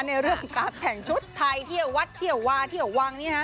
ในเรื่องการแต่งชุดไทยเที่ยววัดเที่ยววาเที่ยววัง